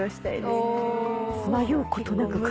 迷うことなく買う？